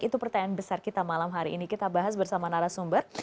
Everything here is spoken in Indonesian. itu pertanyaan besar kita malam hari ini kita bahas bersama narasumber